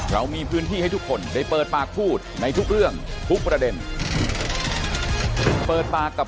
วันนี้หมดเวลาครับ